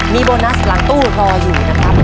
มีโบนัสหลังตู้รออยู่นะครับ